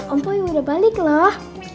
om poy udah balik loh